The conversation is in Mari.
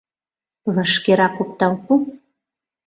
— Вашкерак оптал пу...